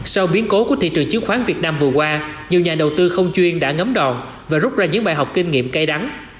sau biến cố của thị trường chứng khoán việt nam vừa qua nhiều nhà đầu tư không chuyên đã ngấm đòn và rút ra những bài học kinh nghiệm cây đắng